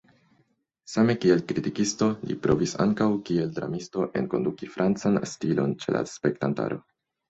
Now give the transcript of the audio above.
Same kiel kritikisto li provis ankaŭ kiel dramisto enkonduki francan stilon ĉe la spektantaro.